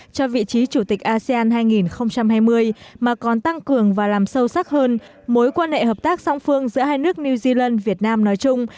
cho vị trí chủ tịch asean hai nghìn hai mươi mà còn tăng cường và làm sâu sắc hơn mối quan hệ hợp tác song phương giữa hai nước new zealand việt nam nói chung